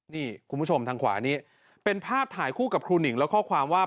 นี่คุณผู้ชมทางขวานี้เป็นภาพถ่ายคู่กับครูหนิงและข้อความว่า